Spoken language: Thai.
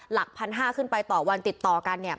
หลักพันห้าขึ้นไปต่อวันติดต่อกันเนี่ย